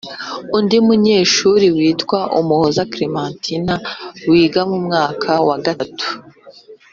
Undi munyeshuri witwa Umuhoza Clementine wiga mu mwaka wa gatatu